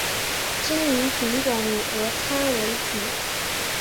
经营品种以俄餐为主。